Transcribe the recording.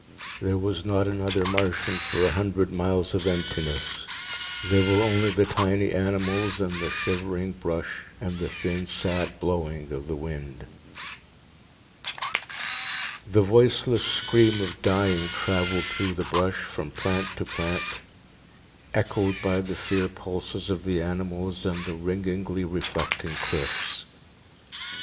There was not another Martian for a hundred miles of emptiness. There were only the tiny animals and the shivering brush and the thin, sad blowing of the wind. The voiceless scream of dying traveled through the brush, from plant to plant, echoed by the fear pulses of the animals and the ringingly reflecting cliffs.